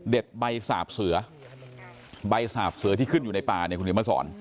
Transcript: ใบสาบเสือใบสาบเสือที่ขึ้นอยู่ในป่าเนี่ยคุณเดี๋ยวมาสอน